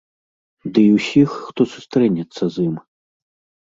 Дый усіх, хто сустрэнецца з ім.